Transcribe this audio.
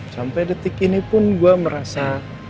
sampai detik ini pun gue merasa